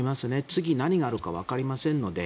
次、何があるかわかりませんので。